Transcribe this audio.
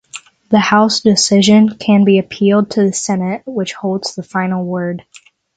The House decision can be appealed to the Senate, which holds the final word.